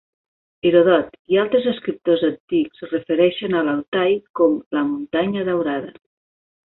Heròdot i altres escriptors antics es refereixen a l'Altay com "la muntanya daurada".